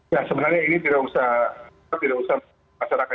ya sebenarnya ini tidak usah masyarakat